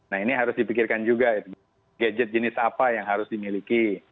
nah ini harus dipikirkan juga gadget jenis apa yang harus dimiliki